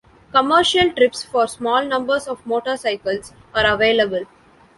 Commercial trips for small numbers of motorcycles are available.